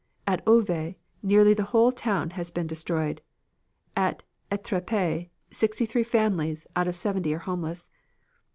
At Auve nearly the whole town has been destroyed. At Etrepy sixty three families out of seventy are homeless.